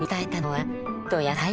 はい。